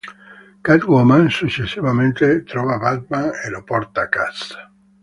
Catwoman successivamente trova Batman e lo porta a casa.